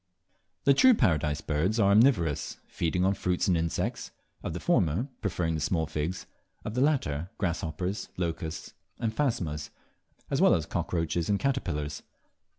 The true Paradise Birds are omnivorous, feeding on fruits and insects of the former preferring the small figs; of the latter, grasshoppers, locusts, and phasmas, as well as cockroaches and caterpillars.